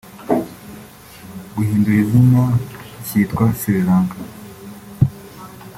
gihindura izina cyitwa Sri Lanka